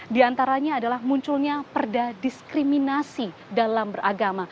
di antaranya adalah munculnya perdadiskriminasi dalam beragama